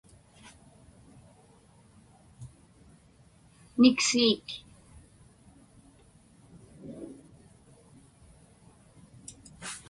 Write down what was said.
niksiik